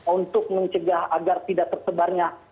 untuk mencegah agar tidak tersebarnya